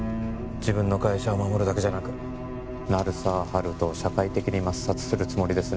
自分の会社を守るだけじゃなく鳴沢温人を社会的に抹殺するつもりですね